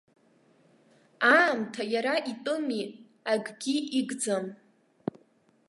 Аамҭа иара итәыми, акгьы игӡам.